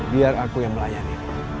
biar aku yang melayani